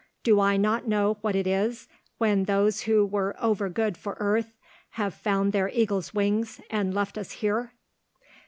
Do I not know what it is, when those who were over good for earth have found their eagle's wings, and left us here?"